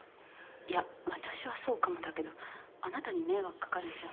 いや私はそうかもだけどあなたに迷惑かかるんじゃ。